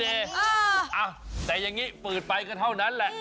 เอออ้าวแต่อย่างนี้ฝืดไปกันเท่านั้นแหละ